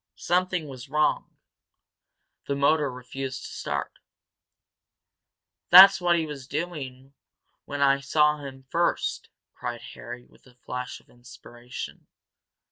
Something was wrong; the motor refused to start. "That's what he was doing when I saw him first," cried Harry, with a flash of inspiration.